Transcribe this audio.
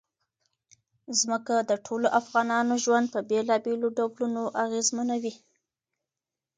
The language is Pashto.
ځمکه د ټولو افغانانو ژوند په بېلابېلو ډولونو اغېزمنوي.